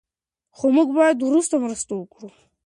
خو موږ باید ورسره مرسته وکړو.